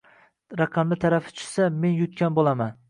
Raqamli tarafi tushsa, men yutgan bo‘laman